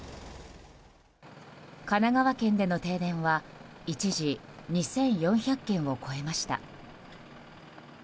神奈川県での停電は一時、２４００軒を超えました。